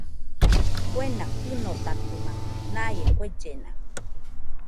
Kuena fɨnotatɨmakɨ naie kuellena